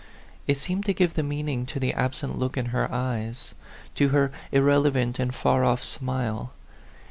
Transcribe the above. It seemed to give the meaning to the absent look in her eyes, to her irrelevant and far off smile.